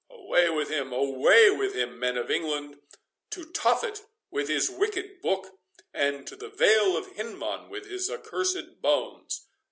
Away with him, away with him, men of England! to Tophet with his wicked book, and to the Vale of Hinnom with his accursed bones!